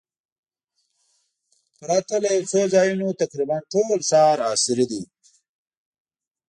پرته له یو څو ځایونو تقریباً ټول ښار عصري دی.